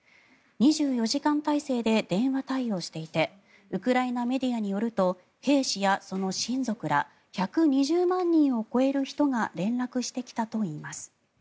２４時間体制で電話対応していてウクライナメディアによると兵士やその親族ら１２０万人を超える人が連絡してきたといいます。